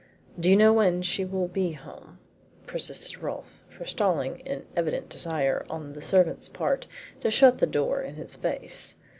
"Do you know when she will be home?" persisted Rolfe, forestalling an evident desire on the servant's part to shut the door in his face.